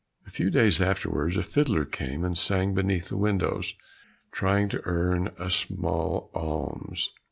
A few days afterwards a fiddler came and sang beneath the windows, trying to earn a small alms.